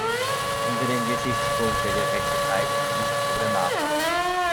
Unter dem Gesichtspunkt der Gerechtigkeit ist dies problematisch.